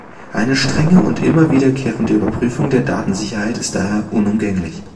Eine strenge und immer wiederkehrende Überprüfung der Datensicherheit ist daher unumgänglich.